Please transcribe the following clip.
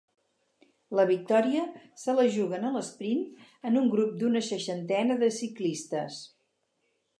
La victòria se la juguen a l'esprint en un grup d'una seixantena de ciclistes.